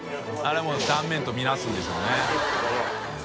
△譴断面と見なすんでしょうね